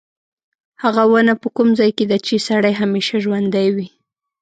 هغه ونه په کوم ځای کې ده چې سړی همیشه ژوندی وي.